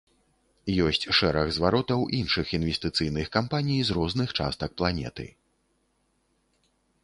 Ёсць шэраг зваротаў іншых інвестыцыйных кампаній з розных частак планеты.